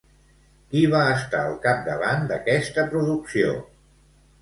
Qui va estar al capdavant d'aquesta producció?